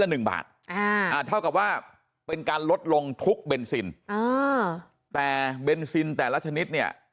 หนึ่งบาทอ่าเท่ากับว่าเป็นการลดลงทุกเบนซินอ่าแต่เบนซินแต่ละชนิดเนี่ย